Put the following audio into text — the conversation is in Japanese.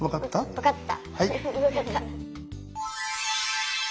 分かった。